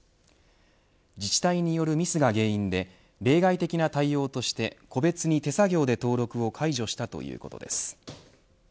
自治体によるミスが原因で例外的な対応として個別に手作業で登録を解除したということです。